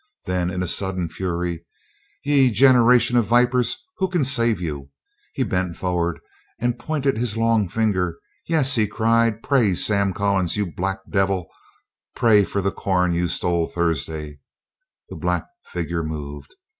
Then in sudden fury, "Ye generation of vipers who kin save you?" He bent forward and pointed his long finger. "Yes," he cried, "pray, Sam Collins, you black devil; pray, for the corn you stole Thursday." The black figure moved.